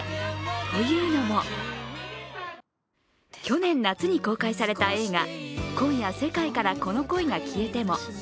というのも、去年夏に公開された映画「今夜、世界からこの恋が消えても」